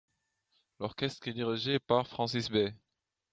L'orchestre est dirigé par Francis Bay.